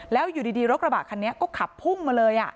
แล้วอยู่ดีรถกระบะคันนี้ก็ขับพุ่งมาเลย